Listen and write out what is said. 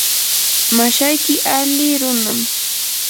mashayki ali runam.